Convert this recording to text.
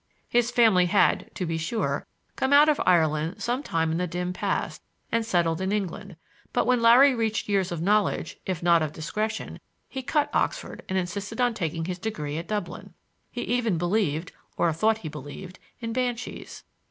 His family had, to be sure, come out of Ireland some time in the dim past, and settled in England; but when Larry reached years of knowledge, if not of discretion, he cut Oxford and insisted on taking his degree at Dublin. He even believed,—or thought he believed,— in banshees.